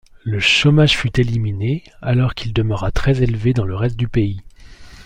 Le chômage fut éliminé, alors qu'il demeura très élevé dans le reste du pays.